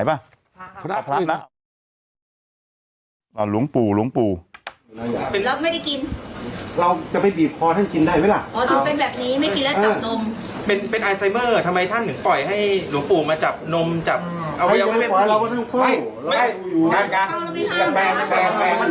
หลวงปู่มาจับนมจับเอาไว้เอาไว้เป็นไม่ไม่ไม่ไม่ไม่ไม่ไม่